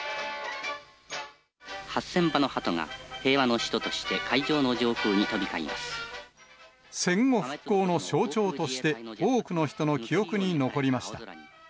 ８０００羽のハトが平和の使徒として、会場の上空に飛び交い戦後復興の象徴として、多くの人の記憶に残りました。